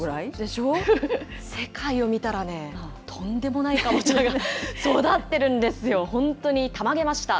世界を見たらね、とんでもないカボチャが育ってるんですよ、本当にたまげました。